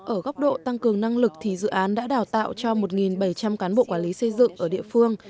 ở góc độ tăng cường năng lực thì dự án đã đào tạo cho một bảy trăm linh cán bộ quản lý xây dựng ở địa phương